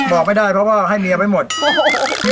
บอกไม่ได้เพราะว่าให้เมียไว้หมด